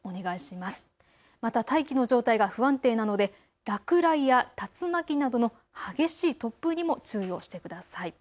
また大気の状態が不安定なので落雷や竜巻などの激しい突風にも注意をしてください。